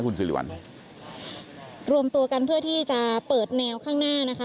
คุณสิริวัลรวมตัวกันเพื่อที่จะเปิดแนวข้างหน้านะคะ